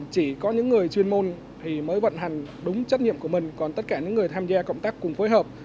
chỉ có những người chuyên môn thì mới vận hành đúng trách nhiệm của mình còn tất cả những người tham gia cộng tác cùng phối hợp